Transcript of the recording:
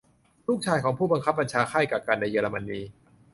ลูกชายของผู้บังคับบัญชาค่ายกักกันในเยอรมนี